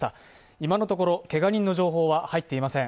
今のところ、けが人の情報は入っていません。